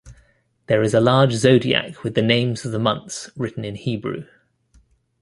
There is a large Zodiac with the names of the months written in Hebrew.